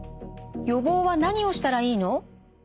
予防は何をしたらいいの？